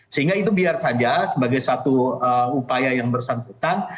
sehingga itu biar saja sebagai satu upaya yang bersangkutan